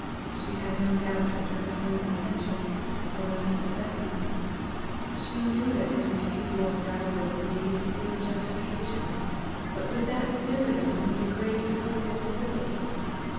She had no doubt as to her son's intention, although he had said nothing; she KNEW that his refusal of dower would be his plea in justification; but would that deliver them from the degrading approval of the world?